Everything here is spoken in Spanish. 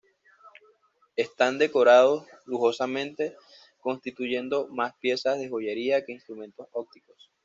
Están decorados lujosamente, constituyendo más piezas de joyería que instrumentos ópticos.